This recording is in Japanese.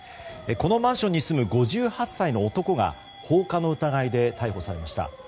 このマンションに住む５８歳の男が放火の疑いで逮捕されました。